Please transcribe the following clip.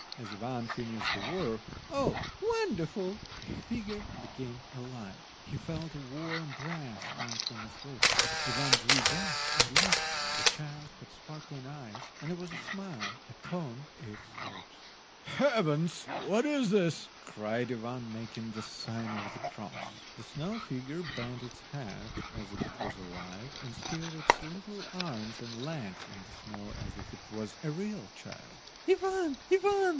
As Ivan finished the work, oh, wonderful! the figure became alive! He felt a warm breath come from its lips. Ivan drew back, and looked. The child had sparkling eyes, and there was a smile upon its lips. "Heavens! what is this?" cried Ivan, making the sign of the cross. The snow figure bent its head as if it was alive, and stirred its little arms and legs in the snow as if it was a real child. "Ivan! Ivan!"